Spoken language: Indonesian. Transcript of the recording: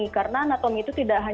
karena anatomi itu tidak hanya